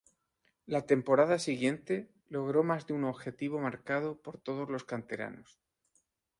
La temporada siguiente, logró mas de un objetivo marcado por todos los canteranos.